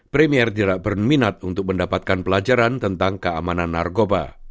premier tidak berminat untuk mendapatkan pelajaran tentang keamanan narkoba